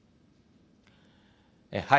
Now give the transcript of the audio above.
はい。